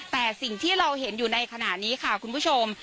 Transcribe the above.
แต่สิ่งที่เราเห็นอยู่ในขณะนี้ค่ะคุณผู้ชม